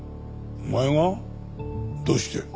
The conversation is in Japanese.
お前が？どうして？